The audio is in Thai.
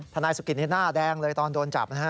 นายสุกิตนี่หน้าแดงเลยตอนโดนจับนะฮะ